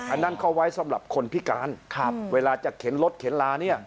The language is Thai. อันนั้นเขาไว้สำหรับคนพิการครับเวลาจะเข็นรถเข็นลาเนี่ย